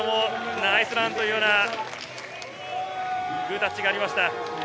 ナイスランというようなグータッチがありました。